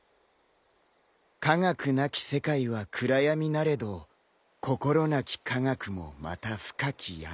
科学なき世界は暗闇なれど心なき科学もまた深き闇。